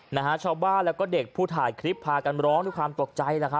นะฮะชาวบ้านแล้วก็เด็กผู้ถ่ายคลิปพากันร้องด้วยความตกใจแล้วครับ